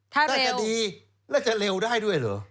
ถ้าจะดีแล้วจะเร็วได้ด้วยเหรอ